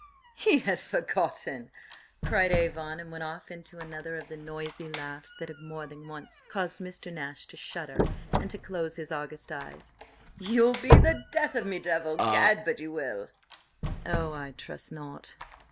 "He had forgotten!" cried Avon, and went off into another of the noisy laughs that had more than once caused Mr. Nash to shudder and to close his august eyes. "You'll be the death of me, Devil! Gad! but you will!" "Oh, I trust not.